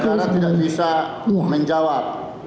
ya sudah saudara tidak bisa menjawab